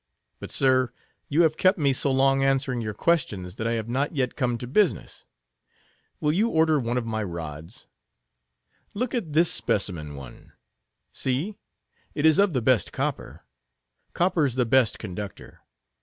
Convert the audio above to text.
But sir, you have kept me so long answering your questions, that I have not yet come to business. Will you order one of my rods? Look at this specimen one? See: it is of the best of copper. Copper's the best conductor.